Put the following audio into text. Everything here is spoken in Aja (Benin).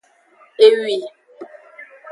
Ewi.